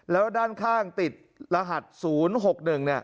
แล้วด้านข้างติดรหัส๐๖๑